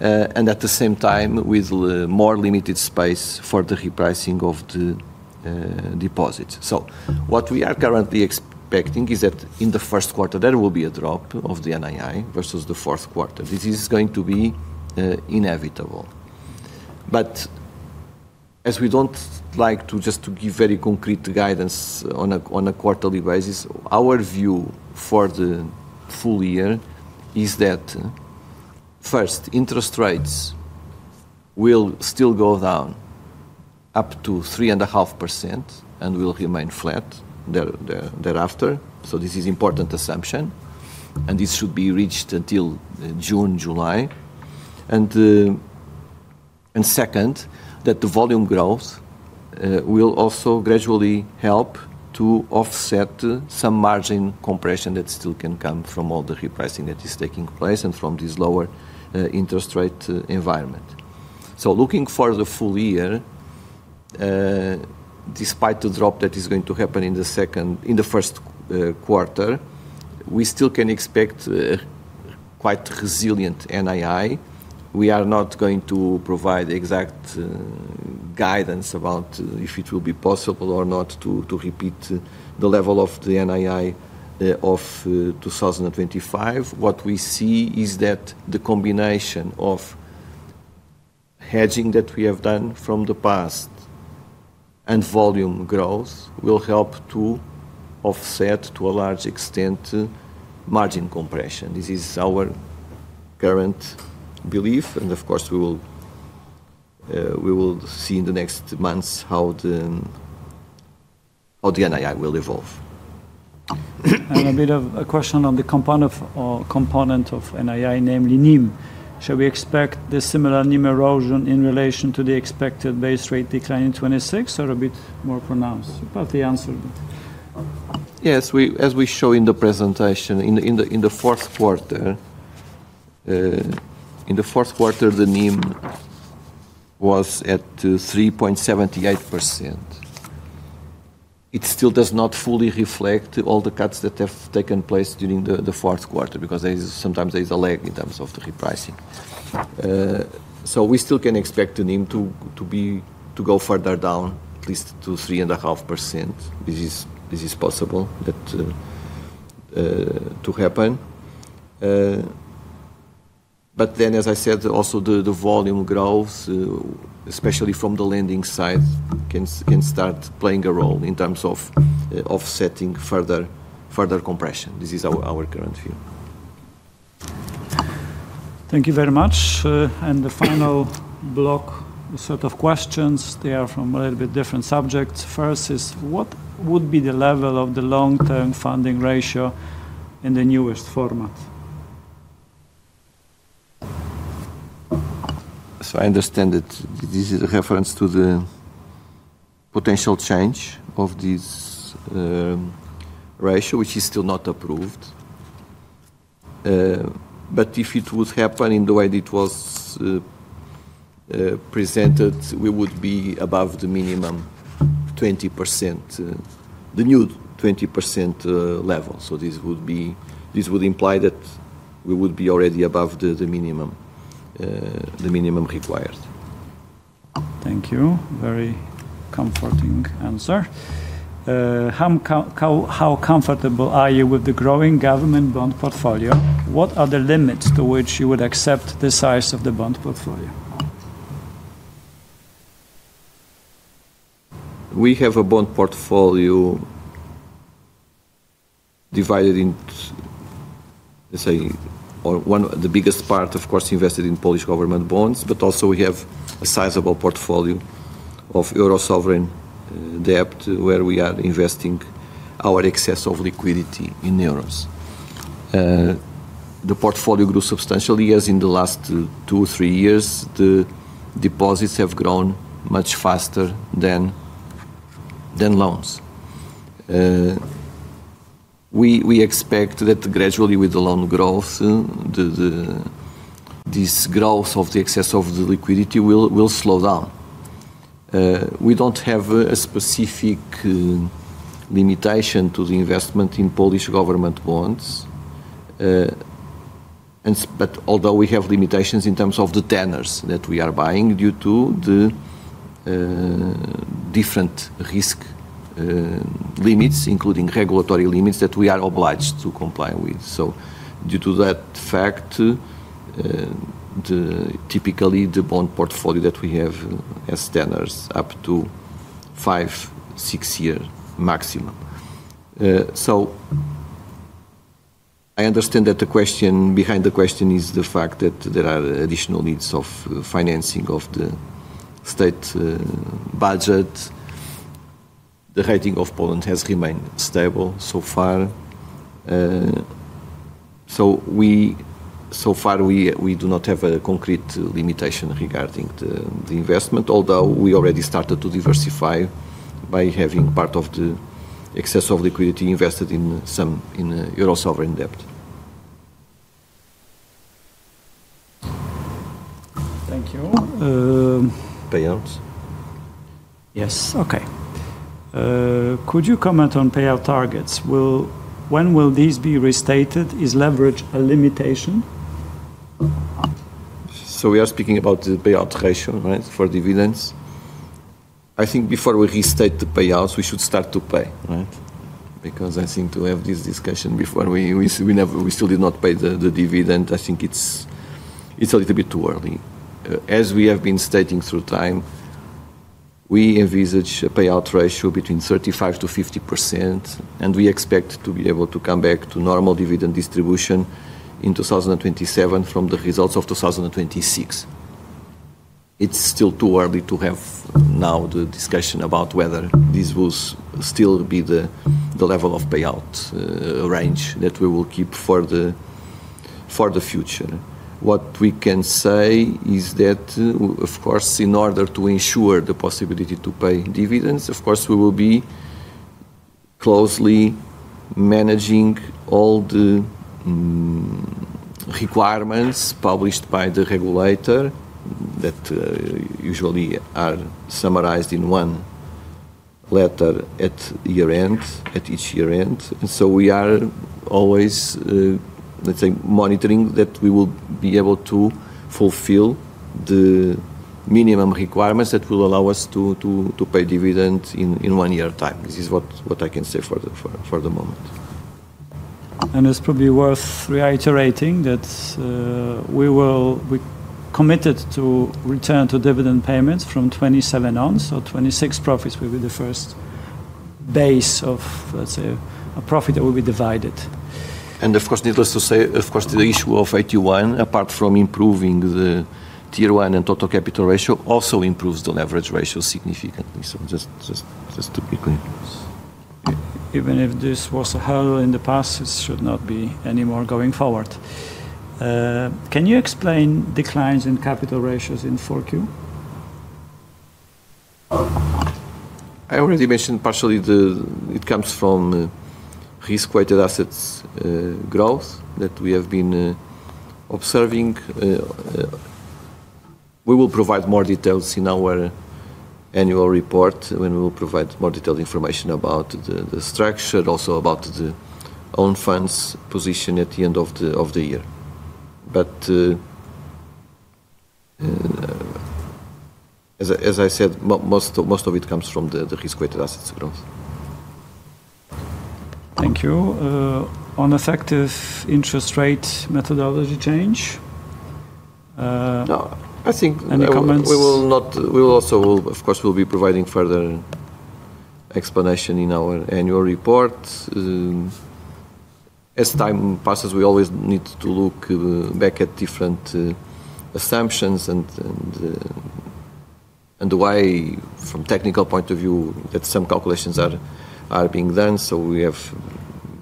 and at the same time, with more limited space for the repricing of the deposits. So what we are currently expecting is that in the first quarter, there will be a drop of the NII versus the fourth quarter. This is going to be inevitable. But as we don't like to just give very concrete guidance on a quarterly basis, our view for the full year is that, first, interest rates will still go down up to 3.5% and will remain flat thereafter. So this is an important assumption, and this should be reached until June, July. And second, that the volume growth will also gradually help to offset some margin compression that still can come from all the repricing that is taking place and from this lower interest rate environment. So looking for the full year, despite the drop that is going to happen in the first quarter, we still can expect quite resilient NII. We are not going to provide exact guidance about if it will be possible or not to repeat the level of the NII of 2025. What we see is that the combination of hedging that we have done from the past and volume growth will help to offset, to a large extent, margin compression. This is our current belief. Of course, we will see in the next months how the NII will evolve. A bit of a question on the component of NII, namely NIM. Shall we expect the similar NIM erosion in relation to the expected base rate decline in 2026 or a bit more pronounced? You've got the answer, but. Yes. As we show in the presentation, in the fourth quarter, the NIM was at 3.78%. It still does not fully reflect all the cuts that have taken place during the fourth quarter because sometimes there is a lag in terms of the repricing. So we still can expect the NIM to go further down, at least to 3.5%. This is possible to happen. But then, as I said, also the volume growth, especially from the lending side, can start playing a role in terms of offsetting further compression. This is our current view. Thank you very much. The final block, a set of questions. They are from a little bit different subjects. First is, what would be the level of the long-term funding ratio in the newest format? So I understand that this is a reference to the potential change of this ratio, which is still not approved. But if it would happen in the way that it was presented, we would be above the minimum 20%, the new 20% level. So this would imply that we would be already above the minimum required. Thank you. Very comforting answer. How comfortable are you with the growing government bond portfolio? What are the limits to which you would accept the size of the bond portfolio? We have a bond portfolio divided into, let's say, the biggest part, of course, invested in Polish government bonds, but also we have a sizable portfolio of euro sovereign debt where we are investing our excess of liquidity in euros. The portfolio grew substantially, as in the last 2, 3 years, the deposits have grown much faster than loans. We expect that gradually, with the loan growth, this growth of the excess of the liquidity will slow down. We don't have a specific limitation to the investment in Polish government bonds. But although we have limitations in terms of the tenors that we are buying due to the different risk limits, including regulatory limits that we are obliged to comply with. So due to that fact, typically, the bond portfolio that we have has tenors up to 5-6-year maximum. So I understand that behind the question is the fact that there are additional needs of financing of the state budget. The rating of Poland has remained stable so far. So far, we do not have a concrete limitation regarding the investment, although we already started to diversify by having part of the excess of liquidity invested in euro sovereign debt. Thank you. Payouts? Yes. Okay. Could you comment on payout targets? When will these be restated? Is leverage a limitation? So we are speaking about the payout ratio, right, for dividends. I think before we restate the payouts, we should start to pay, right? Because I think to have this discussion before we still did not pay the dividend, I think it's a little bit too early. As we have been stating through time, we envisage a payout ratio between 35%-50%, and we expect to be able to come back to normal dividend distribution in 2027 from the results of 2026. It's still too early to have now the discussion about whether this will still be the level of payout range that we will keep for the future. What we can say is that, of course, in order to ensure the possibility to pay dividends, of course, we will be closely managing all the requirements published by the regulator that usually are summarized in one letter at each year-end. And so we are always, let's say, monitoring that we will be able to fulfill the minimum requirements that will allow us to pay dividends in one year's time. This is what I can say for the moment. It's probably worth reiterating that we committed to return to dividend payments from 2027 on. So 2026 profits will be the first base of, let's say, a profit that will be divided. And of course, needless to say, of course, the issue of AT1, apart from improving the Tier 1 and total capital ratio, also improves the leverage ratio significantly. So just to be clear. Even if this was a hurdle in the past, it should not be anymore going forward. Can you explain declines in capital ratios in 4Q? I already mentioned partially it comes from risk-weighted assets growth that we have been observing. We will provide more details in our annual report when we will provide more detailed information about the structure, also about the own funds position at the end of the year. But as I said, most of it comes from the risk-weighted assets growth. Thank you. On effective interest rate methodology change? No. I think we will also of course be providing further explanation in our annual report. As time passes, we always need to look back at different assumptions and the way, from a technical point of view, that some calculations are being done. So we have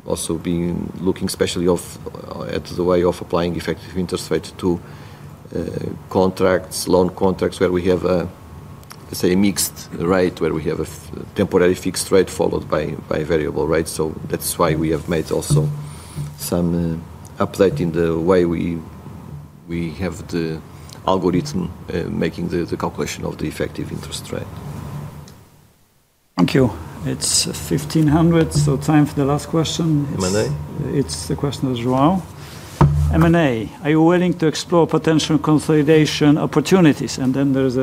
also been looking especially at the way of applying effective interest rate to loan contracts where we have, let's say, a mixed rate, where we have a temporary fixed rate followed by variable rates. So that's why we have made also some update in the way we have the algorithm making the calculation of the effective interest rate. Thank you. It's 3:00 P.M., so time for the last question. M&A? It's the question of Joao. M&A, are you willing to explore potential consolidation opportunities? And then there's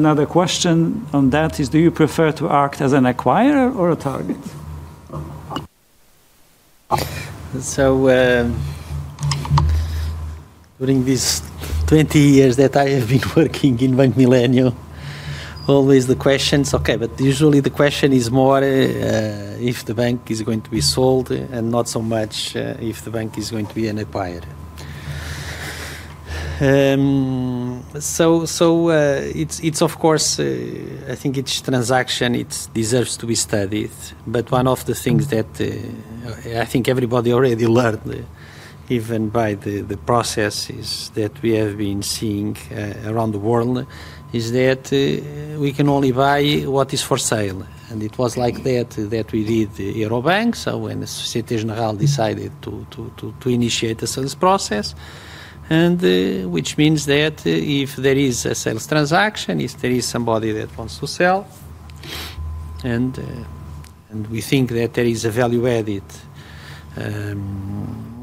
another question on that. Do you prefer to act as an acquirer or a target? So during these 20 years that I have been working in Bank Millennium, always the questions, okay, but usually the question is more if the bank is going to be sold and not so much if the bank is going to be an acquirer. So it's, of course, I think it's transaction, it deserves to be studied. But one of the things that I think everybody already learned, even by the process, is that we have been seeing around the world is that we can only buy what is for sale. And it was like that we did Euro Bank. So when Société Générale decided to initiate a sales process, which means that if there is a sales transaction, if there is somebody that wants to sell and we think that there is a value added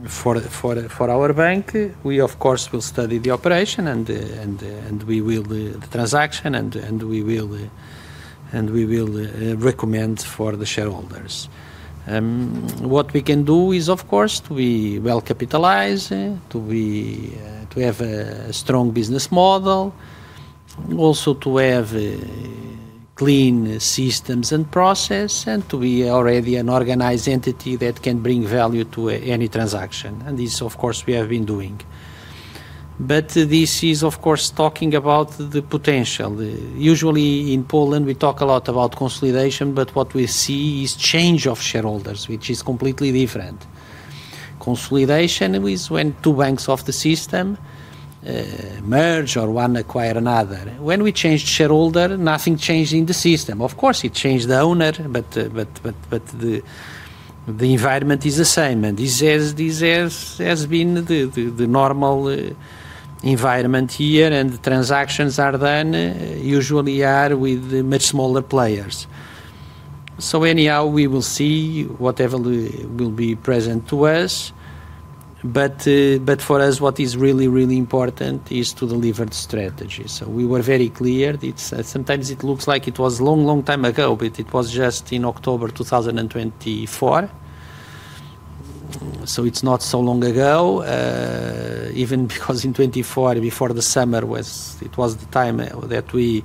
for our bank, we, of course, will study the operation and the transaction and we will recommend for the shareholders. What we can do is, of course, to well capitalize, to have a strong business model, also to have clean systems and process, and to be already an organized entity that can bring value to any transaction. And this, of course, we have been doing. But this is, of course, talking about the potential. Usually, in Poland, we talk a lot about consolidation, but what we see is change of shareholders, which is completely different. Consolidation is when two banks of the system merge or one acquires another. When we changed shareholder, nothing changed in the system. Of course, it changed the owner, but the environment is the same. And this has been the normal environment here, and transactions are done usually with much smaller players. So anyhow, we will see whatever will be present to us. But for us, what is really, really important is to deliver the strategy. So we were very clear. Sometimes it looks like it was a long, long time ago, but it was just in October 2024. So it's not so long ago, even because in 2024, before the summer, it was the time that we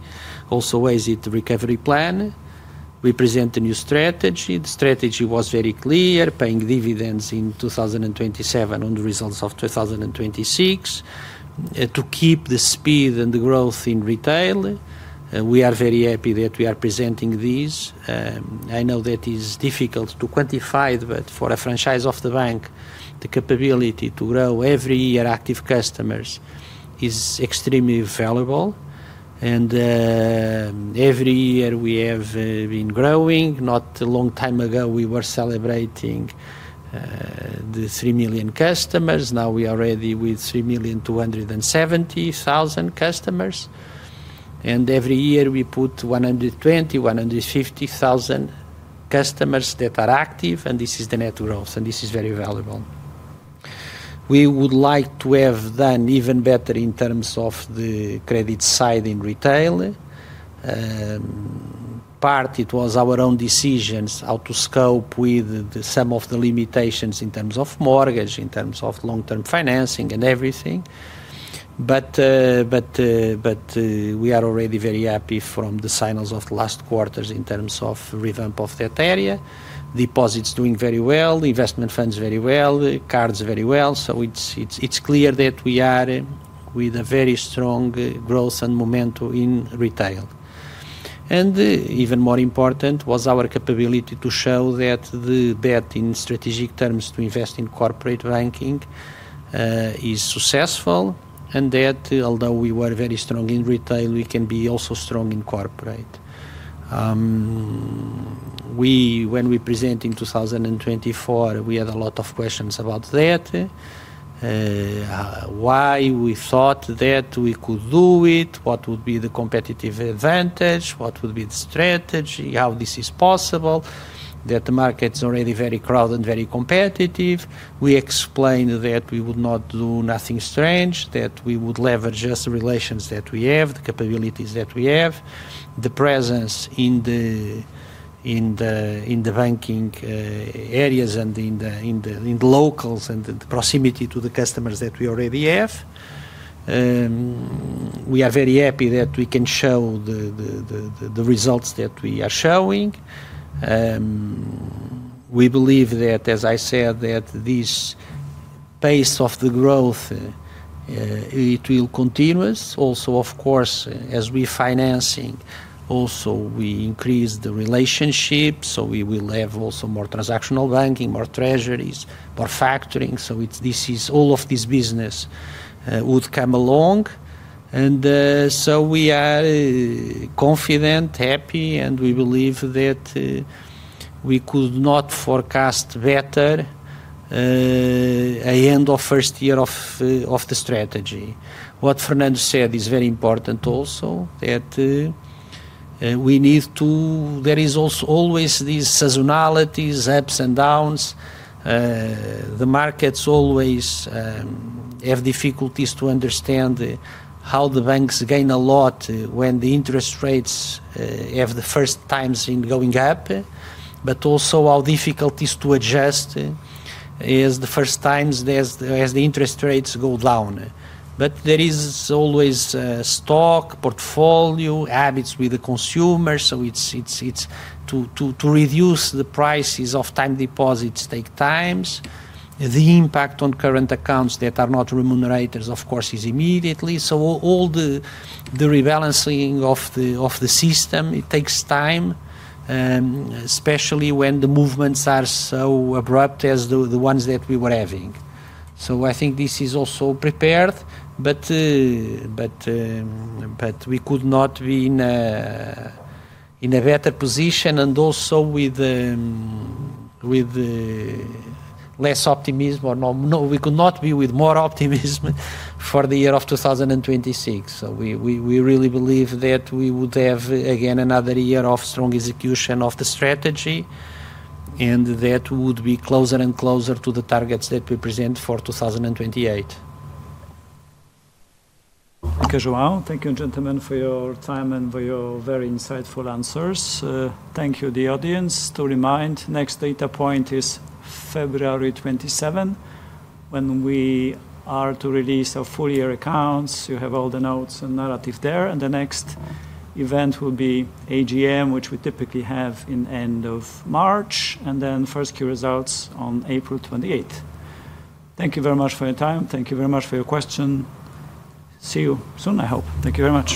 also raised it, the recovery plan. We present a new strategy. The strategy was very clear, paying dividends in 2027 on the results of 2026 to keep the speed and the growth in retail. We are very happy that we are presenting this. I know that is difficult to quantify, but for a franchise of the bank, the capability to grow every year active customers is extremely valuable. Every year, we have been growing. Not a long time ago, we were celebrating the 3 million customers. Now we are already with 3,270,000 customers. Every year, we put 120,000-150,000 customers that are active, and this is the net growth, and this is very valuable. We would like to have done even better in terms of the credit side in retail part, it was our own decisions how to cope with some of the limitations in terms of mortgage, in terms of long-term financing, and everything. We are already very happy from the signals of the last quarters in terms of revamp of that area, deposits doing very well, investment funds very well, cards very well. It's clear that we are with a very strong growth and momentum in retail. Even more important was our capability to show that the bet in strategic terms to invest in corporate banking is successful and that although we were very strong in retail, we can be also strong in corporate. When we presented in 2024, we had a lot of questions about that, why we thought that we could do it, what would be the competitive advantage, what would be the strategy, how this is possible, that the market is already very crowded and very competitive. We explained that we would not do nothing strange, that we would leverage just the relations that we have, the capabilities that we have, the presence in the banking areas and in the locals and the proximity to the customers that we already have. We are very happy that we can show the results that we are showing. We believe that, as I said, that this pace of the growth, it will continue. Also, of course, as we're financing, also we increase the relationships. So we will have also more transactional banking, more treasuries, more factoring. So all of this business would come along. And so we are confident, happy, and we believe that we could not forecast better at the end of the first year of the strategy. What Fernando said is very important also, that we need to there is always these seasonalities, ups and downs. The markets always have difficulties to understand how the banks gain a lot when the interest rates have the first times in going up, but also how difficult it is to adjust as the first times as the interest rates go down. But there is always stock portfolio habits with the consumers. So it's to reduce the prices of time deposits takes time. The impact on current accounts that are not remunerated, of course, is immediate. So all the rebalancing of the system, it takes time, especially when the movements are so abrupt as the ones that we were having. So I think this is also prepared, but we could not be in a better position and also with less optimism or no, we could not be with more optimism for the year of 2026. So we really believe that we would have, again, another year of strong execution of the strategy and that we would be closer and closer to the targets that we present for 2028. Thank you, João. Thank you, gentlemen, for your time and for your very insightful answers. Thank you, the audience. To remind, next data point is February 27 when we are to release our full-year accounts. You have all the notes and narrative there. The next event will be AGM, which we typically have in the end of March, and then Q1 results on April 28. Thank you very much for your time. Thank you very much for your question. See you soon, I hope. Thank you very much.